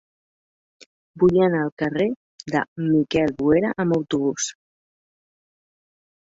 Vull anar al carrer de Miquel Boera amb autobús.